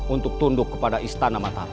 untuk tunduk kepada istana matahari